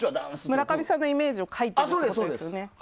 村上さんのイメージを書いていくんですよね。